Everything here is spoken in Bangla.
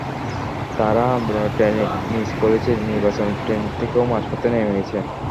তারা আন্দোলনের ট্রেন মিস করেছে, নির্বাচনের ট্রেন থেকেও মাঝপথে নেমে গেছে।